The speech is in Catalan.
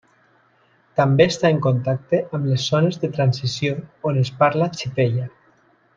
També està en contacte amb les zones de transició on es parla xipella.